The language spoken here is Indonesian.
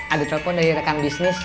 ada telepon dari rekan bisnis